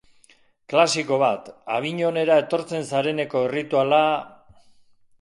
Klasiko bat, Avignonera etortzen zareneko errituala...